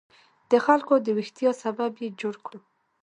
د خلکو د ویښتیا سبب یې جوړ کړو.